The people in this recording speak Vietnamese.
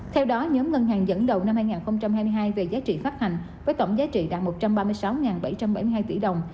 theo đó nhóm ngân hàng dẫn đầu năm hai nghìn hai mươi hai về giá trị phát hành với tổng giá trị đạt một trăm ba mươi sáu bảy trăm bảy mươi hai tỷ đồng